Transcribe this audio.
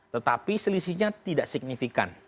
tetapi selisihnya tidak signifikan